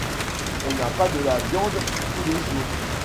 On n’a pas de la viande tous les jours.